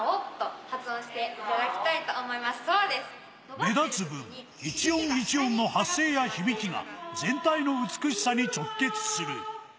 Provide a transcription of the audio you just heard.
目立つ分、一音一音の発声や響きが全体の美しさに直結する。